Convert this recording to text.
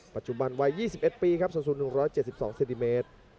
ปัจจุบันวัย๒๑ปีครับส่วนศูนย์๑๗๒เซติเมตร